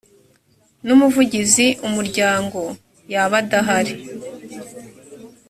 n umuvigizi umuryango yaba adahari